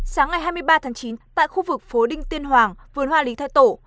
sáng ngày hai mươi ba tháng chín tại khu vực phố đinh tiên hoàng vườn hoa lý thái tổ